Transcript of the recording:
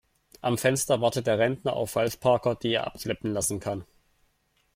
Am Fenster wartet der Rentner auf Falschparker, die er abschleppen lassen kann.